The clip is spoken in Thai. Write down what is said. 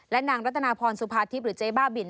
และนางรัฐนาพรสุพาทิพย์หรือเจบ้าบิล